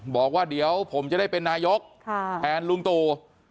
บอกว่าเดี๋ยวผมจะได้เป็นนายกแทนลุงตู่